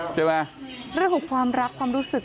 เรื่องของความรักความรู้สึก